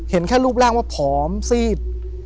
เห็นแค่รูปร่างว่าผอมซีด